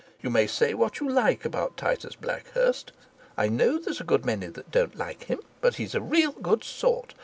You may say what you like about Titus Blackhurst I know there's a good many that don't like him but he's a real good sort.